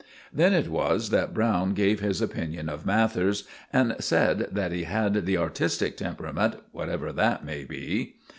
Then it was that Browne gave his opinion of Mathers, and said that he had 'the artistic temperament,' whatever that may be.